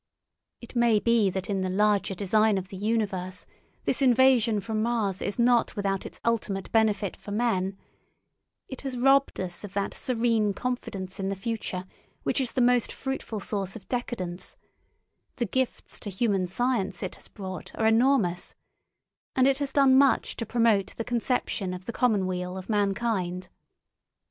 It may be that in the larger design of the universe this invasion from Mars is not without its ultimate benefit for men; it has robbed us of that serene confidence in the future which is the most fruitful source of decadence, the gifts to human science it has brought are enormous, and it has done much to promote the conception of the commonweal of mankind.